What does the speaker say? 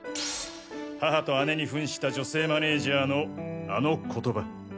母と姉に扮した女性マネージャーのあの言葉。